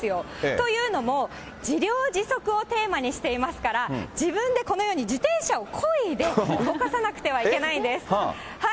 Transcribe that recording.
というのも、自涼自足をテーマにしていますから、自分でこのように自転車をこいで動かさなくてはいけないんです。